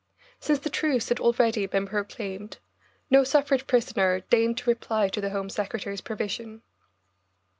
Since the truce had already been proclaimed, no suffrage prisoner deigned to reply to the Home Secretary's provision.